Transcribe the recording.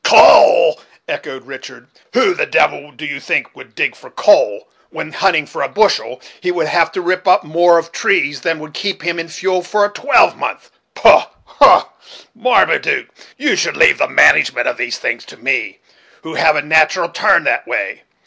"Coal!" echoed Richard. "Who the devil do you think will dig for coal when, in hunting for a bushel he would have to rip up more of trees than would keep him in fuel for a twelvemonth? Poh! poh! Marmaduke: you should leave the management of these things to me, who have a natural turn that way.